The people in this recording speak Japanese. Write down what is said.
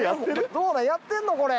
どうだやってんのこれ。